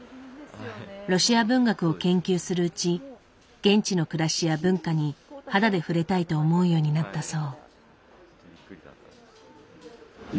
ロシア文学を研究するうち現地の暮らしや文化に肌で触れたいと思うようになったそう。